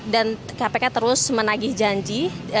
dan kpk terus menagih janji